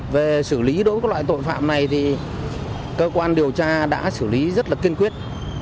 về xử lý đối với loại tội phạm này thì cơ quan điều tra đã xử lý rất là kiên quyết